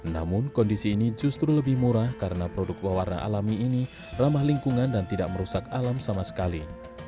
namun kondisi ini justru lebih murah karena produk pewarna alami ini ramah lingkungan dan tidak merusak alam sama sekali